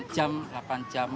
enam jam sampai delapan jam